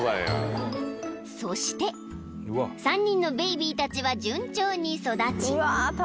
［そして３人のベイビーたちは順調に育ち］